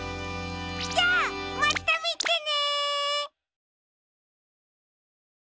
じゃあまたみてね！